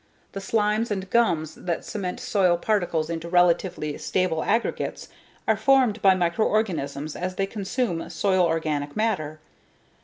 The slimes and gums that cement soil particles into relatively stable aggregates are formed by microorganisms as they consume soil organic matter.